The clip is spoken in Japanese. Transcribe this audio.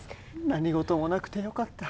何事もなくてよかった。